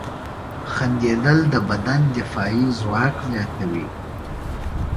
• خندېدل د بدن دفاعي ځواک زیاتوي.